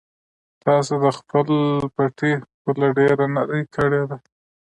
تاسو د خپل پټي پوله ډېره نرۍ کړې ده.